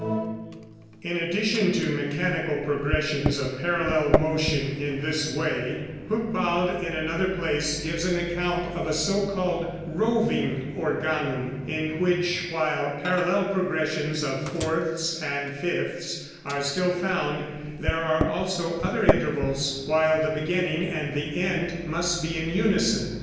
] In addition to mechanical progressions of parallel motion in this way, Hucbald in another place gives an account of a so called "roving" organum, in which, while parallel progressions of fourths and fifths still are found, there are also other intervals, while the beginning and the end must be in unison.